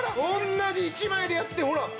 同じ１枚でやってほら。